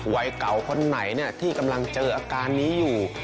วัยเก่าคนไหนที่กำลังเจออาการนี้อยู่